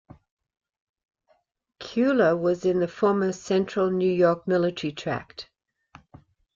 Cuyler was in the former Central New York Military Tract.